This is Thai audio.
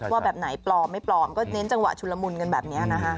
ว่าแบบไหนปลอมไม่ปลอมก็เน้นจังหวะชุลมุนกันแบบนี้นะคะ